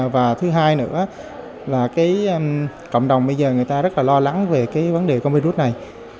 và thứ hai nữa là cái cộng đồng bây giờ người ta rất là lo lắng về cái vấn đề con virus này